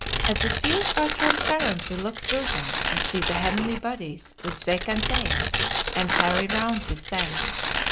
As the spheres are transparent we look through them and see the heavenly bodies which they contain and carry round with them.